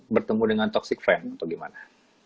bertemu dengan toxic friend atau gimana